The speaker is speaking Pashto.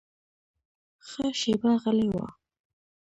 ښه شېبه غلی و.